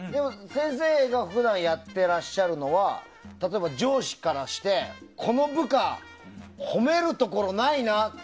先生が普段やっていらっしゃるのは例えば上司からしてこの部下、褒めるところないな。